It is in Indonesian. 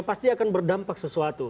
pasti akan berdampak sesuatu